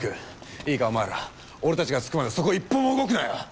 いいかお前ら俺たちが着くまでそこ一歩も動くなよ！